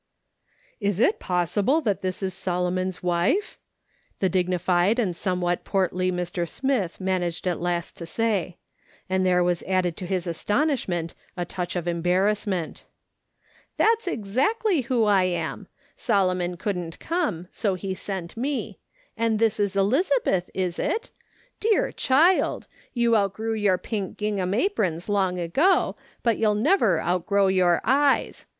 " Is it possible that it is Solomon's wife ?" the dignified and somewhat portly Mr. Smith managed at last to say ; and there was added to his astonish ment a touch of embarrassment. " That's exactly who I am. Solomon couldn't come, so he sent me. And this is Elizabeth, is it ? Dear child ! you outgrew your pink gingham aprons long ago, but you'll never outgrow your eyes.